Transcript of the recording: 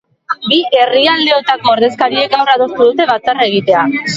Bi herrialdeotako ordezkariek gaur adostu dute batzarra egitea.